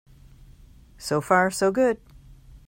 So far so good.